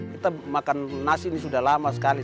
kita makan nasi ini sudah lama sekali